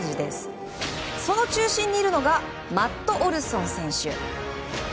その中心にいるのがマット・オルソン選手。